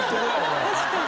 確かに。